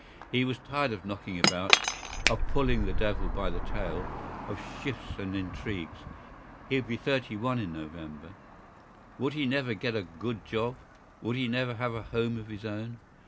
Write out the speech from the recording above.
He was tired of knocking about, of pulling the devil by the tail, of shifts and intrigues. He would be thirty one in November. Would he never get a good job? Would he never have a home of his own?